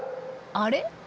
あれ？